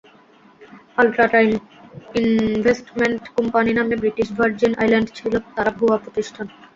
Ultra Time Investment Company নামে British Virgin আইল্যান্ডে ছিল তাঁর ভুয়া প্রতিষ্ঠান।